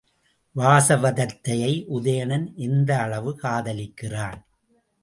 வாசவ தத்தையை உதயணன் எந்த அளவு காதலிக்கிறான்?